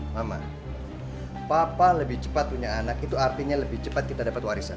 mama papa lebih cepat punya anak itu artinya lebih cepat kita dapat warisan